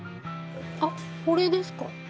あこれですか？